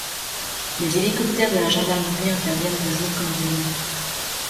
Les hélicoptères de la Gendarmerie interviennent de jour comme de nuit.